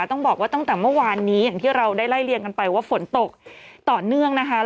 ต้องบอกว่าตั้งแต่เมื่อวานนี้อย่างที่เราได้ไล่เลี่ยงกันไปว่าฝนตกต่อเนื่องนะคะ